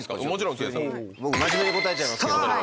普通に僕真面目に答えちゃいますけど。